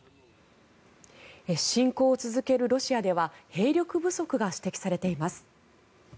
侵攻を続けるロシアでは兵力不足が指摘されています。